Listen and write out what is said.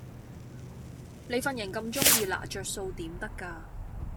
你份人咁鐘意拿着數點得架